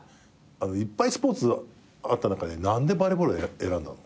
いっぱいスポーツあった中で何でバレーボール選んだの？